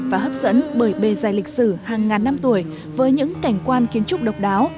và hấp dẫn bởi bề dày lịch sử hàng ngàn năm tuổi với những cảnh quan kiến trúc độc đáo